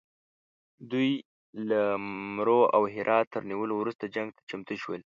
دوی له مرو او هرات تر نیولو وروسته جنګ ته چمتو شول.